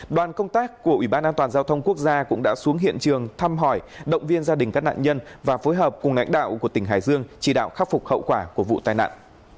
đoàn công tác của ủy ban an toàn giao thông quốc gia cũng đã xuống hiện trường thăm hỏi động viên gia đình các nạn nhân và phối hợp cùng lãnh đạo của tỉnh hải dương chỉ đạo khắc phục hậu quả của vụ tai nạn